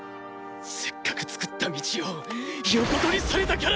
せっかく作った道を横取りされたからだ！